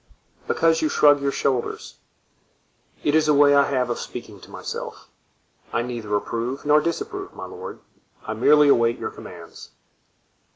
"Because you shrug your shoulders." "It is a way I have of speaking to myself. I neither approve nor disapprove, my lord; I merely await your commands."